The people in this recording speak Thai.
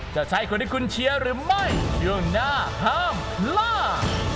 จะใช่คนที่คุณเชียร์หรือไม่ช่วงหน้าห้ามพลาด